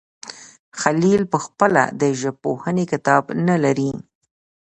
خلیل پخپله د ژبپوهنې کتاب نه لري.